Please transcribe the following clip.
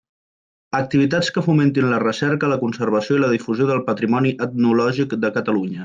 Activitats que fomentin la recerca, la conservació i la difusió del patrimoni etnològic de Catalunya.